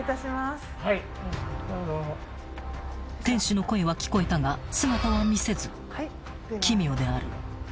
［店主の声は聞こえたが姿は見せず奇妙である］